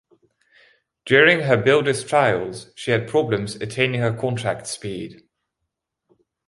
During her builder's trials, she had problems attaining her contract speed.